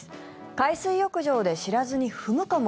海水浴場で知らずに踏むかも？